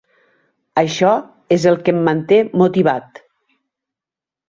Això és el que em manté motivat.